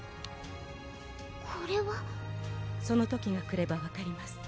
これはその時が来れば分かります